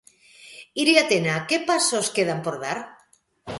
Iria Tena, que pasos quedan por dar?